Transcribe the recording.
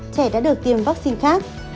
trẻ đã được tiêm vaccine khác